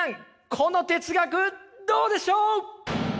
この哲学どうでしょう？